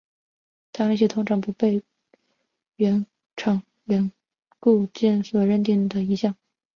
它允许通常不被原厂固件所认可的自定义项。